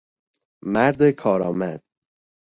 مرد کارآمد